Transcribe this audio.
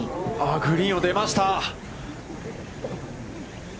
グリーンを出ました。